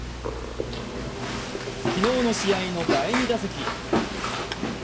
昨日の試合の第２打席。